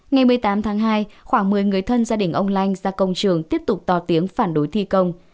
ngày một mươi tám tháng hai khoảng một mươi người thân gia đình ông lanh ra công trường tiếp tục to tiếng phản đối thi công